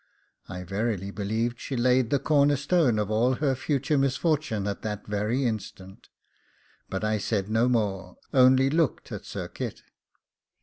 I verily believed she laid the corner stone of all her future misfortunes at that very instant; but I said no more, only looked at Sir Kit.